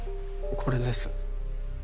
これです